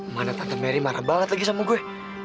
mana tante mary marah banget lagi sama gue